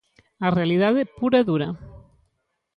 A realidade pura e dura.